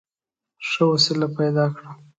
ښه وسیله پیدا کړه.